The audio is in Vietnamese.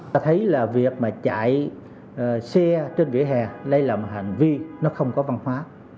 ta thấy là việc mà chạy xe trên vỉa hè là một hành vi nó không có văn hóa